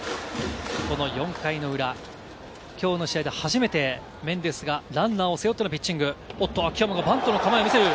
この４回の裏、きょうの試合で初めてメンデスがランナーを背負ってのピッチング、秋山がバントの構えを見せる。